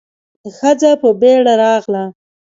ښځه په بيړه راغله.